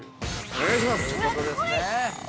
お願いします。